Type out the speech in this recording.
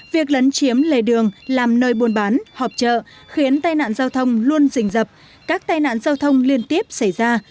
việc lấn chiếm lề đường làm nơi buôn bán họp chợ khiến tai nạn giao thông luôn rình dập các tai nạn giao thông liên tiếp xảy ra